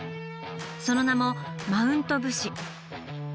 その名もマウント武士。